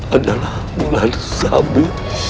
adalah bulan sabi